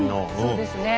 そうですね。